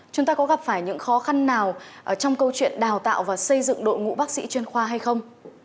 chúng ta có gặp phải những khó khăn nào trong câu chuyện đào tạo và xây dựng đội ngũ bác sĩ chuyên khoa hay không